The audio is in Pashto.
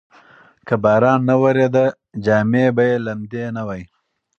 که باران نه وریده، جامې به یې لمدې نه وای.